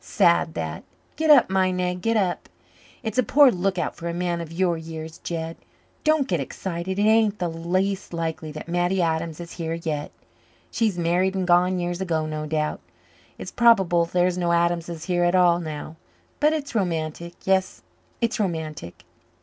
Sad, that! Get up, my nag, get up. It's a poor lookout for a man of your years, Jed. Don't get excited. It ain't the least likely that Mattie Adams is here yet. She's married and gone years ago, no doubt. It's probable there's no Adamses here at all now. But it's romantic, yes, it's romantic.